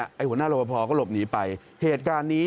อายุประมาณสัก๓๕๓๖ปีลืมกุญแจลืมกุญแจไว้